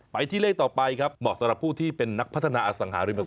ไปที่เลขต่อไปครับเหมาะสำหรับผู้ที่เป็นนักพัฒนาอสังหาริมทร